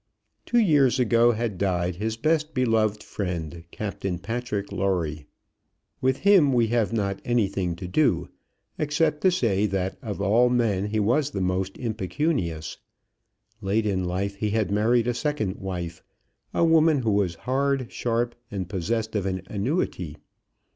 Two years ago had died his best beloved friend, Captain Patrick Lawrie. With him we have not anything to do, except to say that of all men he was the most impecunious. Late in life he had married a second wife, a woman who was hard, sharp, and possessed of an annuity.